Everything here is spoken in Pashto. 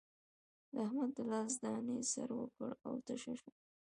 د احمد د لاس دانې سر وکړ او تشه شوه.